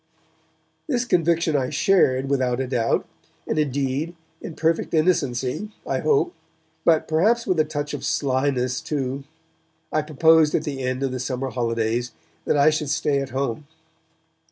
This conviction I shared, without a doubt; and, indeed, in perfect innocency, I hope, but perhaps with a touch of slyness too, I proposed at the end of the summer holidays that I should stay at home.